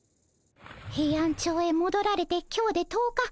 ヘイアンチョウへもどられて今日で１０日。